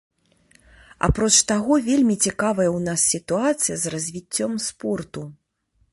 Апроч таго, вельмі цікавая ў нас сітуацыя з развіццём спорту.